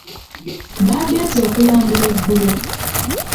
Baagenze okulambula eggulo.